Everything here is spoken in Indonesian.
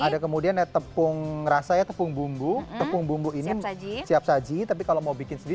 ada kemudian ya tepung rasa ya tepung bumbu tepung bumbu ini siap saji tapi kalau mau bikin sendiri